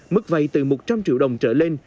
mức vay từ một trăm linh triệu đồng trở lên